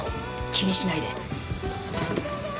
気にしないで。